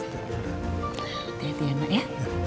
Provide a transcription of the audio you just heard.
tidak tidak tidak mak ya